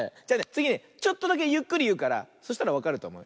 つぎねちょっとだけゆっくりいうからそしたらわかるとおもう。